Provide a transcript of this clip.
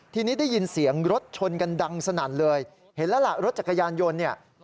ทีนี้ได้ยินเสียงรถชนกันดังสนั่นเลยเห็นแล้วล่ะรถจักรยานยนต์เนี่ย